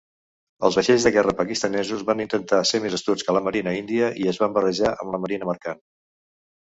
Els vaixells de guerra pakistanesos van intentar ser més astuts que la marina índia i es van barrejar amb la marina mercant.